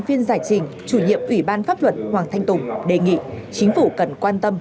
viên giải trình chủ nhiệm ủy ban pháp luật hoàng thanh tùng đề nghị chính phủ cần quan tâm